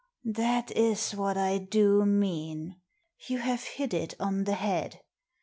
" That is what I do mean. You have hit it on the head.